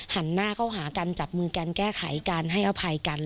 หันหน้าเข้าหากันจับมือกันแก้ไขกันให้อภัยกัน